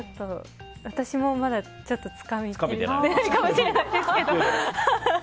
私もまだつかみきれてないかもしれないですけど。